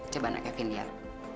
coba nah kevin lihat